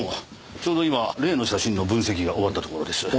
ちょうど今例の写真の分析が終わったところです。